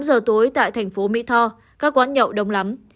ở thành phố mỹ tho các quán nhậu đông lắm